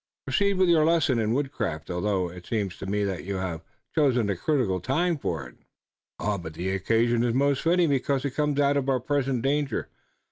Proceed with your lesson in woodcraft, although it seems to me that you have chosen a critical time for it." "The occasion is most fitting, because it comes out of our present danger.